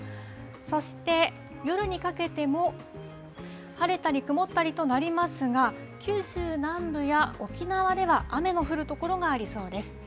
そして夜にかけても、晴れたり曇ったりとなりますが、九州南部や沖縄では雨の降る所がありそうです。